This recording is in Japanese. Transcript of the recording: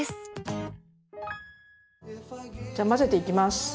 じゃあ混ぜていきます。